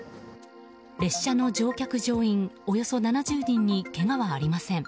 列車の乗客・乗員およそ７０人にけがはありません。